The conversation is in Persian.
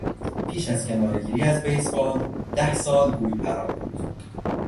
پیش از کنارهگیری از بیسبال ده سال گوی پران بود.